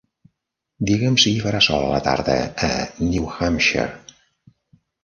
Diguem si hi farà sol a la tarda a New Hampshire